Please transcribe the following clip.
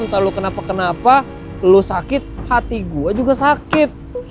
entah lo kenapa kenapa lo sakit hati gua juga sakit